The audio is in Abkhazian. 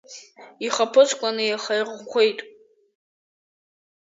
Ихаԥыцқәа неихаирӷәӷәеит.